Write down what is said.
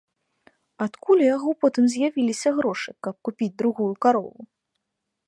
Адкуль у яго потым з'явіліся грошы, каб купіць другую карову?